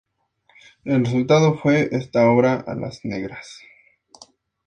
El resultado fue esta obra: Alas negras.